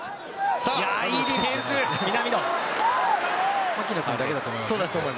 いいディフェンス、南野。